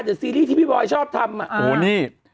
เดี๋ยวซีรีส์ที่พี่บอยชอบทำอ่ะโอ๊ยนี่